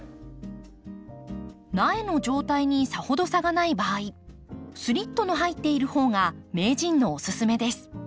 苗の状態にさほど差がない場合スリットの入っているほうが名人のおすすめです。